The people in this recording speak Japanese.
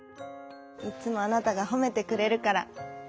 いつもあなたがほめてくれるから」。